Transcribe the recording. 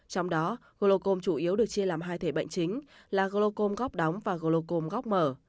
trong đó glaucom chủ yếu được chia làm hai thể bệnh chính là glaucom góc đóng và glaucom góc mở